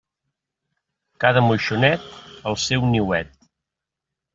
Cada moixonet, el seu niuet.